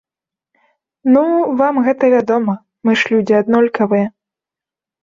Ну, вам гэта вядома, мы ж людзі аднолькавыя.